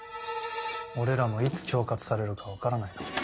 俺らもいつ恐喝されるか分からないな。